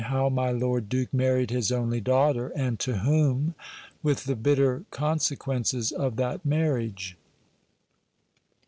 — How my lord duke married his only daughter, and to whom : with the bitter consequences of that marriage.